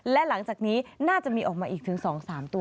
และหลังจากนี้น่าจะมีออกมาอีกถึง๒๓ตัว